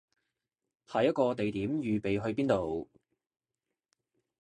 下一個地點預備去邊度